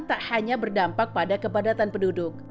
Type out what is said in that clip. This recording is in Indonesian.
tak hanya berdampak pada kepadatan penduduk